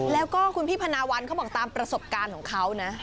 แล้วก็คุณพี่พนาวันเขาบอกตามประสบการณ์ของเขานะ